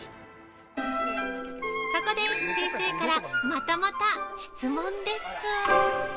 ◆ここで、先生からまたまた質問です。